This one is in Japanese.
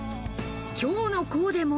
今日のコーデも。